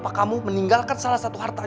aku cuma pengen tahu aja